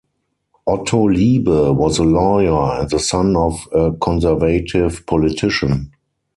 Otto Liebe was a lawyer and the son of a conservative politician.